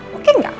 bukan itu itu apa